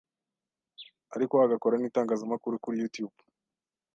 ariko agakora n’itangazamakuru kuri Youtube,